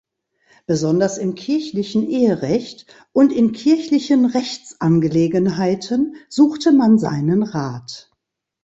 Besonders im kirchlichen Eherecht und in kirchlichen Rechtsangelegenheiten suchte man seinen Rat.